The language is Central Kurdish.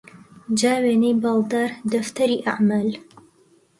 جا وێنەی باڵدار دەفتەری ئەعمال